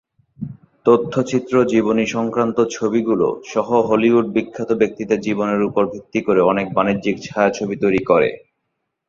তথ্যচিত্র জীবনী সংক্রান্ত ছবিগুলো সহ হলিউড বিখ্যাত ব্যক্তিদের জীবনের উপর ভিত্তি করে অনেক বাণিজ্যিক ছায়াছবি তৈরি করে।